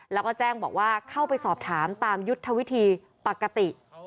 แล้วก็แจ้งบอกว่าเข้าไปสอบถามตามยุทธวิธีปกติ